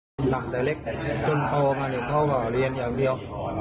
ทำตายเล็กจนโทรมานี่เขาก็เรียนอย่างเดียว